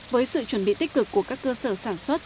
với sự chuẩn bị tích cực của các cơ sở sản xuất